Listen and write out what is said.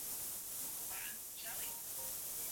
mimi pumbavu